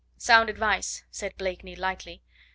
"Sound advice," said Blakeney lightly.